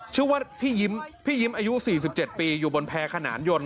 ชื่อพี่ยิ้มอายุ๔๗ปีอยู่บนแพงขนานยนต์